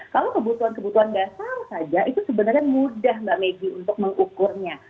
kalau kebutuhan kebutuhan dasar saja itu sebenarnya mudah mbak meggy untuk mengukurnya